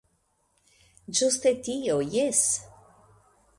Ĝuste tio, jes!